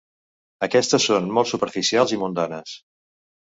Aquestes són molt superficials i mundanes.